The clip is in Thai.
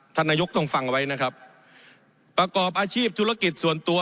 ท่านนายกต้องฟังไว้นะครับประกอบอาชีพธุรกิจส่วนตัว